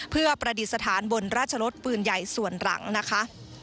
เพื่อประดิษฐานบนราชรสปืนใหญ่ส่วนหลังนะคะ